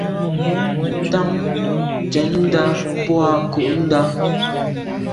Ntan ntshètndà boa nko’ndà.